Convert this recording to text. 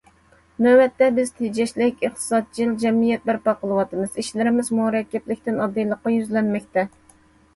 نۆۋەتتە بىز تېجەشلىك، ئىقتىسادچىل جەمئىيەت بەرپا قىلىۋاتىمىز، ئىشلىرىمىز مۇرەككەپلىكتىن ئاددىيلىققا يۈزلەنمەكتە.